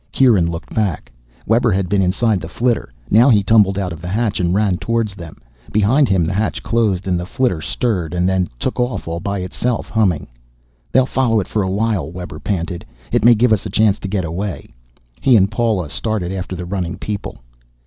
Kieran looked back. Webber had been inside the flitter. Now he tumbled out of the hatch and ran toward them. Behind him the hatch closed and the flitter stirred and then took off all by itself, humming. "They'll follow it for a while," Webber panted. "It may give us a chance to get away." He and Paula started after the running people.